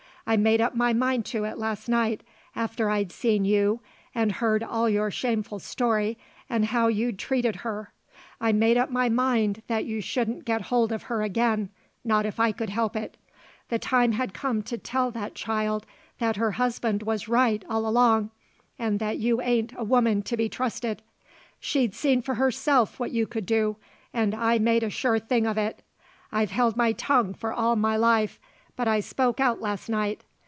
I made up my mind to it last night after I'd seen you and heard all your shameful story and how you'd treated her. I made up my mind that you shouldn't get hold of her again, not if I could help it. The time had come to tell that child that her husband was right all along and that you ain't a woman to be trusted. She'd seen for herself what you could do, and I made a sure thing of it. I've held my tongue for all my life, but I spoke out last night.